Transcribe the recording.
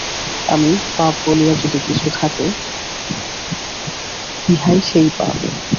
আদি পাপ বলিয়া যদি কিছু থাকে, ইহাই সেই পাপ।